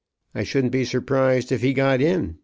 I shouldn't be surprised if he got in.